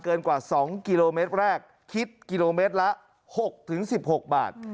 กว่า๒กิโลเมตรแรกคิดกิโลเมตรละ๖๑๖บาท